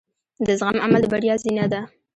د زغم عمل د بریا زینه ده.